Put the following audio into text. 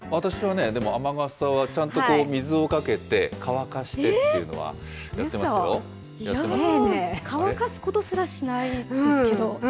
私は雨傘は、ちゃんと水をかけて、乾かしてっていうのは、や乾かすことすらしないですけど。